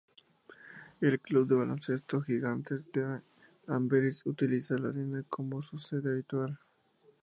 El club de baloncesto Gigantes de Amberes utiliza la arena como su sede habitual.